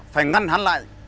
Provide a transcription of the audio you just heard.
phải ngăn hắn lại